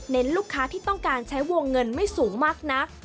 ลูกค้าที่ต้องการใช้วงเงินไม่สูงมากนัก